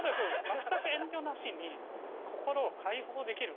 全く遠慮なしに心を解放できる。